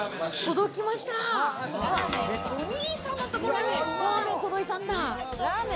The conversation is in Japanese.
お兄さんのところにラーメン届いたんだ。